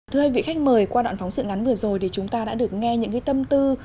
thưa hai vị khách mời qua đoạn phóng sự ngắn vừa rồi thì chúng ta đã được nghe những tâm tư